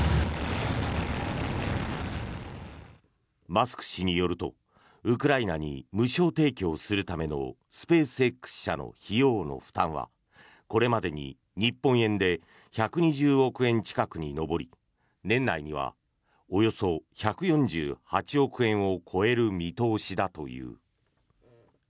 マスク氏によるとウクライナに無償提供するためのスペースＸ社の費用の負担はこれまでに日本円で１２０億円近くに上り年内にはおよそ１４８億円を超える見通しだという。